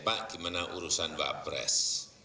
pak gimana urusan pak pres